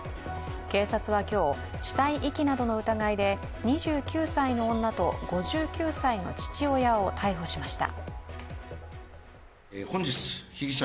警察は今日、死体遺棄などの疑いで２９歳の女と５９歳の父親を逮捕しました。